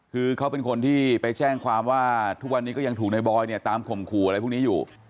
คือเขาเป็นคนที่ไปแจ้งความว่าทุกวันนี้ก็ยังถูกในบอยเนี่ยตามข่มขู่อะไรพวกนี้อยู่